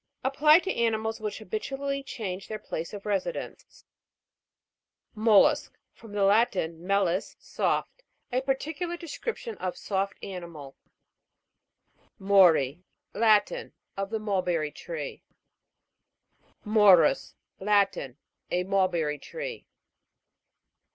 Applied to animals which habitually change their place ot residence. MOL'LUSK, From the Latin, mollis 118 ENTOMOLOGY. GLOSSARY. soft. A peculiar description of soft animal. MO'RI. Latin. Of the mulberry tree. MO'RUS. Latin. A mulberry tree.